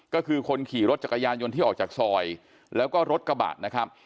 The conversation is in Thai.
ก็คือคนขี่รถจักรยานยนต์ที่ออกจากซอยแล้วก็รถกระบะนะครับ